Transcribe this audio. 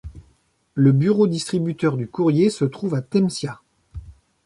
Le bureau distributeur du courrier se trouve à Temsia.